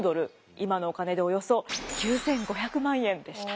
今のお金でおよそ９，５００万円でした。